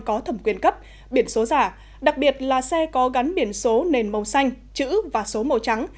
có thẩm quyền cấp biển số giả đặc biệt là xe có gắn biển số nền màu xanh chữ và số màu trắng